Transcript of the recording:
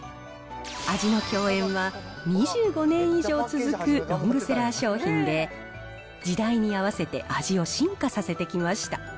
味の饗宴は、２５年以上続くロングセラー商品で、時代に合わせて味を進化させてきました。